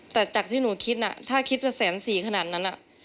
แต่จากที่หนูคิดอ่ะถ้าคิดจะแสน๔ขนาดนั้นอ่ะ